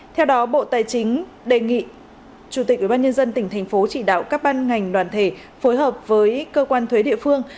theo đó bộ tài chính đề nghị chủ tịch ubnd tỉnh thành phố chỉ đạo các ban ngành đoàn thể phối hợp với cơ quan thuế địa phương